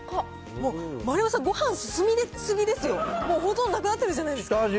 もう丸山さん、ごはん進み過ぎですよ、もうほとんどなくなってるじゃないですか